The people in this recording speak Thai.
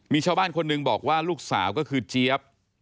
มีชาวบ้านคนหนึ่งบอกว่าลูกสาวก็คือเจี๊ยบ